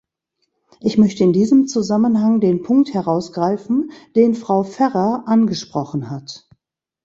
Ich möchte in diesem Zusammenhang den Punkt herausgreifen, den Frau Ferrer angesprochen hat.